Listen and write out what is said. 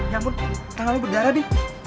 ya ampun tangannya berdarah di